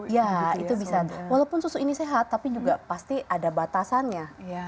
ya itu bisa walaupun susu ini sehat tapi juga pasti ada batasannya